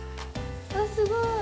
あっすごい。